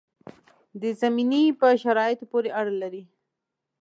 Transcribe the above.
د زمینو په شرایطو پورې اړه لري.